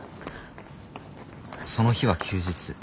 その日は休日。